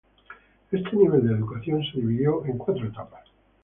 Este nivel de educación se dividió en cuatro etapas.